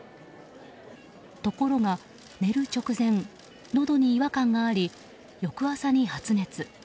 ところが、寝る直前のどに違和感があり、翌朝に発熱。